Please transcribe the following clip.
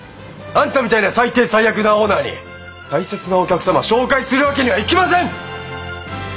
あんたみたいな最低最悪なオーナーに大切なお客様紹介するわけにはいきません！